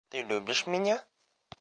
Ты любишь меня?